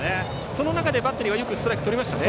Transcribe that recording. その中でバッテリーはよくストライクとりました。